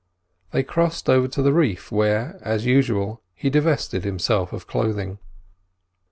They crossed over to the reef, where, as usual, he divested himself of clothing.